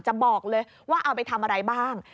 จะบอกเลยว่าเอาไปทำอะไรบ้าง